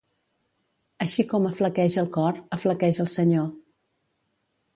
Així com aflaqueix el cor, aflaqueix el senyor.